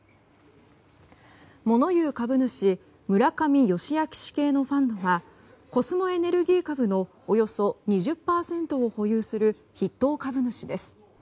物言う株主村上世彰氏系のファンドはコスモエネルギー株のおよそ２０％を保有する筆頭株主です。